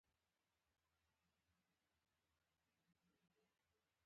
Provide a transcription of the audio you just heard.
د محیط رنګ بدلون په پاملرنې سره تعقیب کړئ.